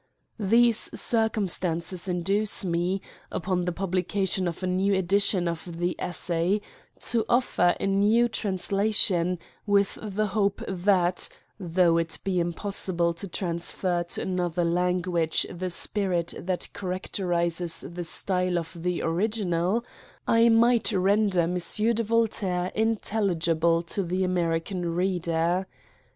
These circumstances induce me, upon the pub lication of a new edition' of the Essay, to offer a new translation, with the hope that, though it be impossible to transfer to another language the spirit that characterises the style of the original, I might render M. de Voltaire intelligible to the American reader.